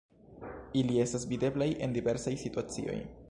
Ili estas videblaj en diversaj situacioj.